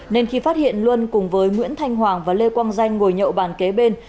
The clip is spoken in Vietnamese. nên khi phát hiện luân cùng với nguyễn thanh hoàng và lê quang danh ngồi nhậu bàn kế bên